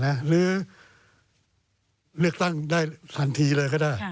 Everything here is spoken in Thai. หรือเลือกตั้งได้ทันทีเลยก็ได้